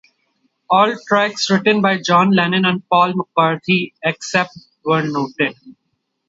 All tracks written by John Lennon and Paul McCartney, except where noted.